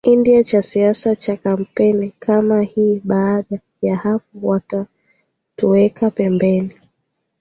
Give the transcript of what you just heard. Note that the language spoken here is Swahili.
indi cha siasa cha kampeni kama hii baada ya hapo wanatuweka pembeni